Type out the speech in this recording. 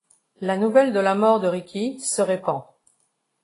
La nouvelle de la mort de Ricky se répand.